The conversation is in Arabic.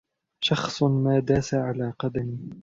شخص ما داس على قدمي.